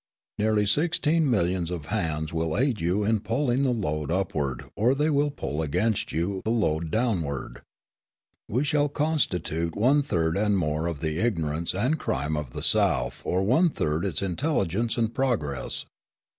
"Nearly sixteen millions of hands will aid you in pulling the load upward or they will pull against you the load downward. We shall constitute one third and more of the ignorance and crime of the South or one third its intelligence and progress.